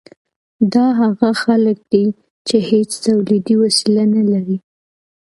دا هغه خلک دي چې هیڅ تولیدي وسیله نلري.